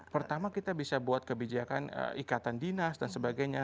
pertama kita bisa buat kebijakan ikatan dinas dan sebagainya